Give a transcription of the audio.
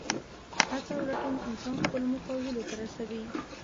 هڅه او لټون انسان خپلو موخو او هیلو ته رسوي.